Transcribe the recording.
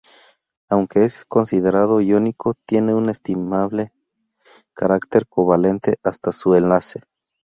Aunque es considerado iónico, tiene un estimable carácter covalente hasta su enlace.